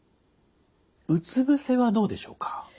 うつ伏せはどうでしょうか？